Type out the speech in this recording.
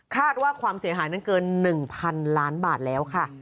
ว่าความเสียหายนั้นเกิน๑๐๐๐ล้านบาทแล้วค่ะ